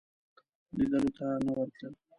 لیدلو ته نه ورتلل.